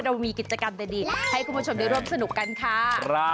เรามีกิจกรรมดีให้คุณผู้ชมได้ร่วมสนุกกันค่ะ